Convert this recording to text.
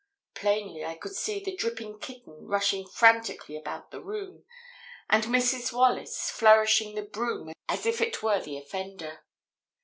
Plainly I could see the dripping kitten rushing frantically about the room, and Mrs. Wallace flourishing the broom at it as if it were the offender.